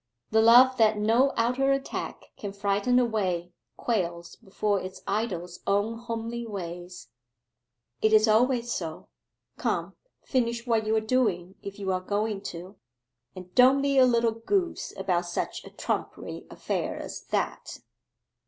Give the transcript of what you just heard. The love that no outer attack can frighten away quails before its idol's own homely ways; it is always so.... Come, finish what you are doing if you are going to, and don't be a little goose about such a trumpery affair as that.